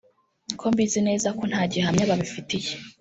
ko mbizi neza ko nta gihamya babifitiye